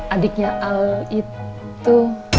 adiknya al itu